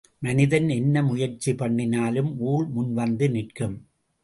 மனிதன் என்ன முயற்சி பண்ணினாலும் ஊழ் முன்வந்து நிற்கும்.